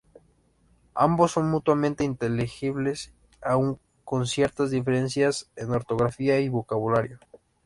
Ambos son mutuamente inteligibles, aún con ciertas diferencias en ortografía y vocabulario.